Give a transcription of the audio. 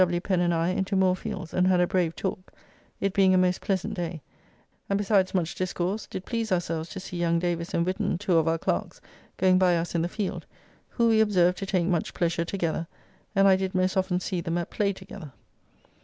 Pen and I into Moorfields and had a brave talk, it being a most pleasant day, and besides much discourse did please ourselves to see young Davis and Whitton, two of our clerks, going by us in the field, who we observe to take much pleasure together, and I did most often see them at play together.